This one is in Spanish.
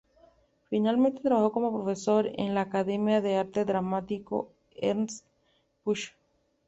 Finalmente trabajó como profesor en la Academia de Arte Dramático Ernst Busch.